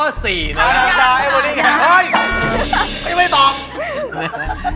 อันนี้ไม่ตอบ